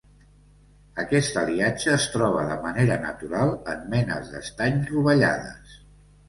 Aquest aliatge es troba de manera natural en menes d'estany rovellades.